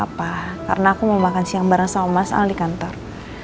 apa karena aku mau makan siang bareng sama mas al di kantor